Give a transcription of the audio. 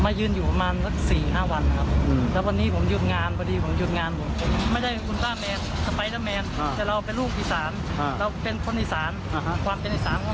เราเกิดประเทศค่อนข้างบ่อยประเทศค่อนข้างบ่อยแล้วเราเห็นความสูญเสียของตัวเอง